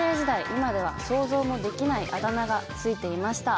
今では想像もできないあだ名が付いていました。